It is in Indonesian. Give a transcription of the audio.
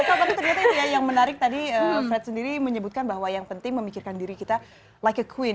asal tapi ternyata itu ya yang menarik tadi fred sendiri menyebutkan bahwa yang penting memikirkan diri kita seperti perempuan